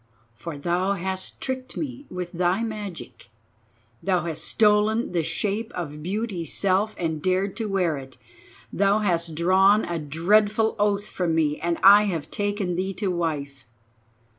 For thou hast tricked me with thy magic, thou hast stolen the shape of Beauty's self and dared to wear it, thou hast drawn a dreadful oath from me, and I have taken thee to wife.